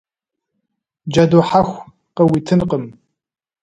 Джэду хьэху къыуитынкъым.